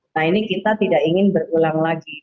nah ini kita tidak ingin berulang lagi